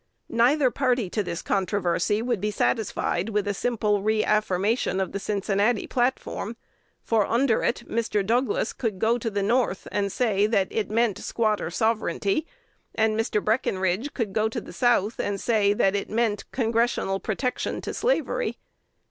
Neither party to the controversy would be satisfied with a simple re affirmation of the Cincinnati Platform; for under it Mr. Douglas could go to the North and say that it meant "squatter sovereignty," and Mr. Breckinridge could go to the South and say that it meant Congressional protection to slavery.